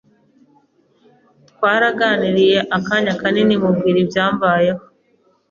Twaraganiriye akanya kanini mubwira ibyambayeho